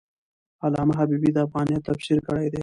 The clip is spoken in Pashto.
علامه حبیبي د افغانیت تفسیر کړی دی.